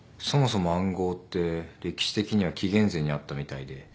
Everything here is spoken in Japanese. そもそも暗号って歴史的には紀元前にあったみたいで。